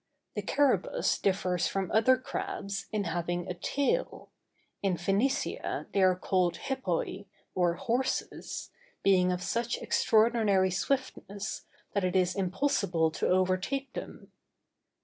The carabus differs from other crabs, in having a tail; in Phœnicia they are called hippoi, or horses, being of such extraordinary swiftness, that it is impossible to overtake them.